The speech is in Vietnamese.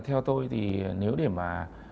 theo tôi thì nếu để mà